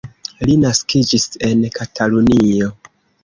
Li naskiĝis en Katalunio.